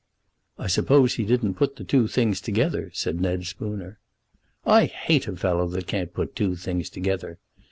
"I suppose he didn't put the two things together," said Ned Spooner. "I hate a fellow that can't put two things together.